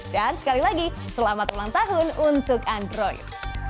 dan sekali lagi selamat ulang tahun untuk android